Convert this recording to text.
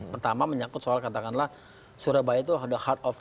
pertama menyangkut soal katakanlah surabaya itu harus diberikan